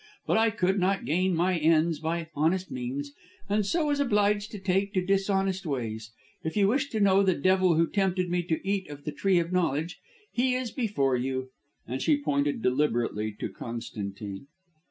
But I could not gain my ends by honest means, and so was obliged to take to dishonest ways. If you wish to know the devil who tempted me to eat of the Tree of Knowledge, he is before you," and she pointed deliberately to Constantine.